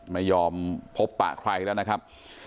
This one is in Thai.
ไม่ยอมพบปะใครแล้วนะครับ